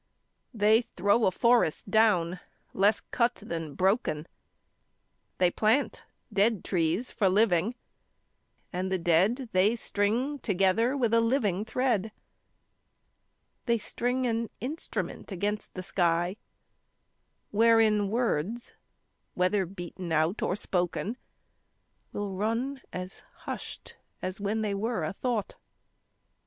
They throw a forest down less cut than broken. They plant dead trees for living, and the dead They string together with a living thread. They string an instrument against the sky Wherein words whether beaten out or spoken Will run as hushed as when they were a thought.